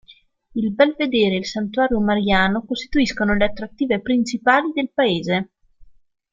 Il belvedere e il santuario mariano costituiscono le attrattive principali del paese.